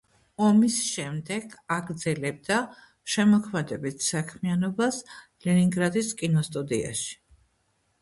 ომის შემდეგ აგრძელებდა შემოქმედებით საქმიანობას ლენინგრადის კინოსტუდიაში.